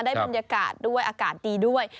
บรรยากาศด้วยอากาศดีด้วย